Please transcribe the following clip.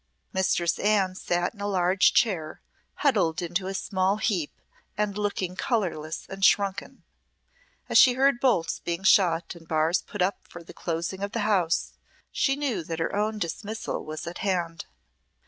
Mistress Anne sat in a large chair, huddled into a small heap, and looking colourless and shrunken. As she heard bolts being shot and bars put up for the closing of the house, she knew that her own dismissal was at hand.